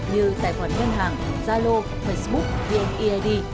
như tài khoản ngân hàng zalo facebook vneid